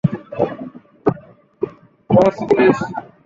বস, police!